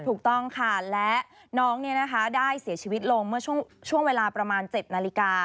ถูกต้องค่ะและน้องได้เสียชีวิตลงเมื่อช่วงเวลาประมาณ๗นาฬิกา